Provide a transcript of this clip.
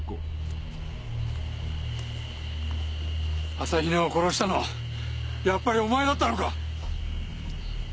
朝比奈を殺したのはやっぱりお前だったのか！？